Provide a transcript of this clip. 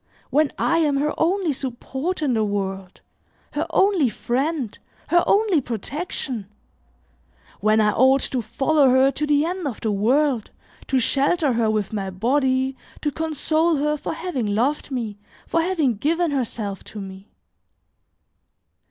When I am her only support in the world, her only friend, her only protection! When I ought to follow her to the end of the world, to shelter her with my body, to console her for having loved me, for having given herself to me!"